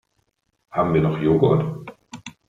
Haben wir noch Joghurt?